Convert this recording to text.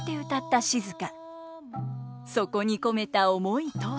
そこに込めた思いとは。